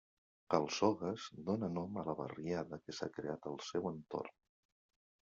Cal Sogas, dóna nom a la barriada que s'ha creat al seu entorn.